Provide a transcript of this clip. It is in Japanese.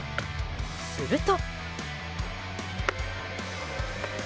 すると。